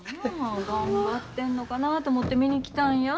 頑張ってんのかなと思て見に来たんや。